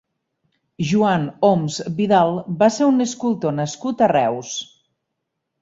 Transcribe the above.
Joan Homs Vidal va ser un escultor nascut a Reus.